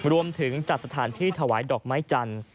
รวมถึงจัดสถานที่ถวายดอกไม้จันทร์